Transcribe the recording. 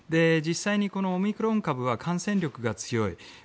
実際にオミクロン株は感染力が強い。